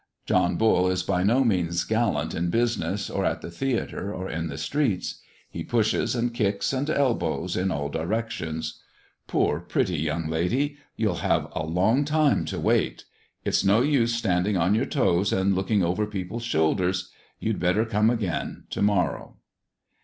John Bull is by no means gallant in business, or at the theatre, or in the streets: he pushes, and kicks, and elbows in all directions. Poor pretty young lady, you'll have a long time to wait! It's no use standing on your toes, and looking over people's shoulders. You'd better come again to morrow.